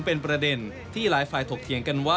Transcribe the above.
โอเค